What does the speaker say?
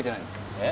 えっ？